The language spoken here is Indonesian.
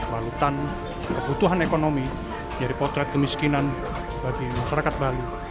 balutan kebutuhan ekonomi jadi potret kemiskinan bagi masyarakat bali